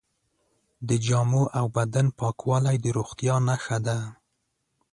د جامو او بدن پاکوالی د روغتیا نښه ده.